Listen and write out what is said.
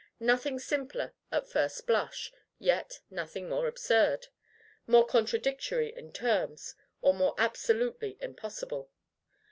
Nothing simpler at first blush; yet, nothing more absurd, more contradictory in terms, or more absolutely impossible.